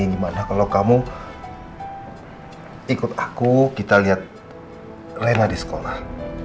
gimana kalau kamu ikut aku kita lihat rena di sekolah